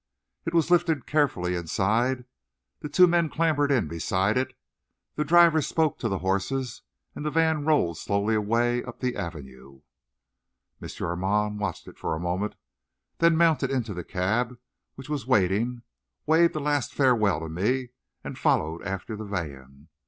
It was lifted carefully inside, the two men clambered in beside it, the driver spoke to the horses, and the van rolled slowly away up the Avenue. M. Armand watched it for a moment, then mounted into the cab which was waiting, waved a last farewell to me, and followed after the van.